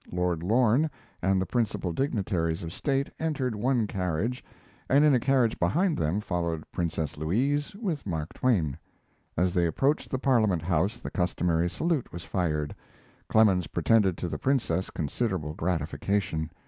Lord Lorne and the principal dignitaries of state entered one carriage, and in a carriage behind them followed Princess Louise with Mark Twain. As they approached the Parliament House the customary salute was fired. Clemens pretended to the Princess considerable gratification.